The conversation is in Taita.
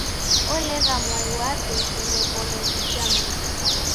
Olegha mwai wape uselow'olo ni uja mndu.